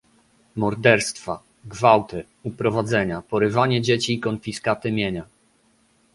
morderstwa, gwałty, uprowadzenia, porywanie dzieci i konfiskaty mienia